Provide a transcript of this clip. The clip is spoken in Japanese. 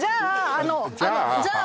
あのじゃあ？